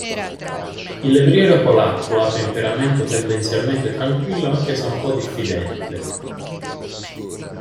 Il levriero polacco ha temperamento tendenzialmente tranquillo anche se un po' diffidente.